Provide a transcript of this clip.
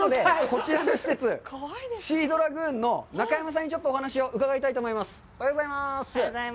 こちらの施設、シー・ドラグーンの中山さんにお話を伺いたいと思います。